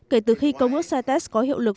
kể từ khi công ước cites có hiệu lực